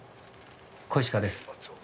小石川です。